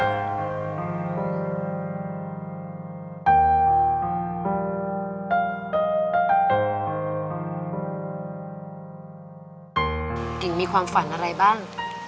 เก่งมีความฝันอะไรบ้าง